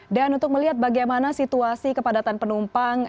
dan untuk melihat bagaimana situasi kepadatan penumpang